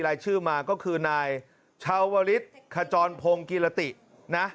รายชื่อมาก็คือนายชาวริสขจรพงศ์กิรตินะ